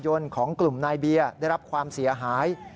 ของกลุ่มนายเบียร์ได้รับความเสียหาย